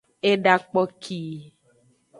Eda kpoki.